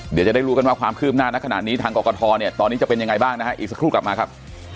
เดี๋ยวจะได้รู้กันว่าความคืบหน้าในขณะนี้ทางกรกฐเนี่ยตอนนี้จะเป็นยังไงบ้างนะฮะอีกสักครู่กลับมาครับ